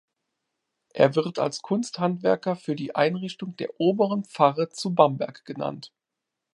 Er wird als Kunsthandwerker für die Einrichtung der Oberen Pfarre zu Bamberg genannt.